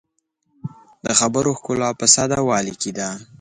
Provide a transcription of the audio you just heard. د خبرو ښکلا په ساده والي کې ده